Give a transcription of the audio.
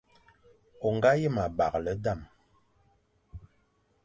O nga yen abaghle dam ;